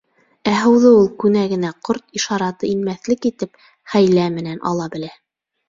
Ә һыуҙы ул күнәгенә ҡорт ишараты инмәҫлек итеп, хәйлә менән ала белә.